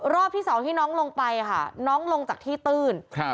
รอบที่สองที่น้องลงไปค่ะน้องลงจากที่ตื้น